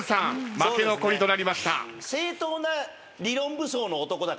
負け残りとなりました。